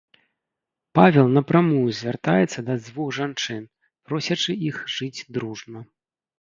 Павел напрамую звяртаецца да дзвух жанчын, просячы іх жыць дружна.